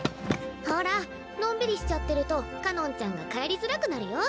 ほらのんびりしちゃってるとかのんちゃんが帰りづらくなるよ。